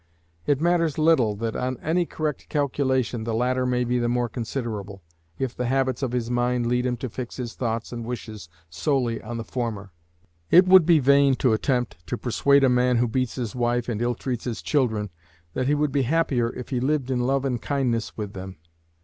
It matters little that on any correct calculation the latter may be the more considerable, if the habits of his mind lead him to fix his thoughts and wishes solely on the former. It would be vain to attempt to persuade a man who beats his wife and ill treats his children that he would be happier if he lived in love and kindness with them.